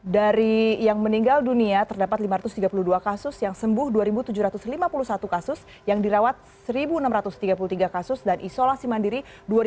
dari yang meninggal dunia terdapat lima ratus tiga puluh dua kasus yang sembuh dua tujuh ratus lima puluh satu kasus yang dirawat satu enam ratus tiga puluh tiga kasus dan isolasi mandiri dua ribu dua puluh